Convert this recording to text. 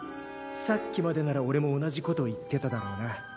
さっきまでならおれも同じこと言ってただろうな。